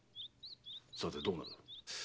さてどうなる？